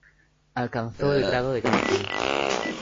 Alcanzó el grado de Capitán.